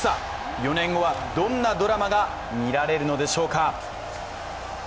４年後はどんなドラマが見られるのでしょうか。